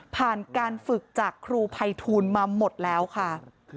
ผ่านการฝึกจากครูภัยทูลมาหมดแล้วค่ะ